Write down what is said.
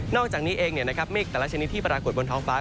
นอกจากนี้เองเนี่ยนะครับเมฆแต่ละชนิดที่ปรากฏบนท้องฟ้า